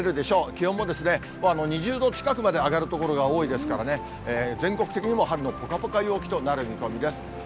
気温も２０度近くまで上がる所が多いですからね、全国的にも春のぽかぽか陽気となる見込みです。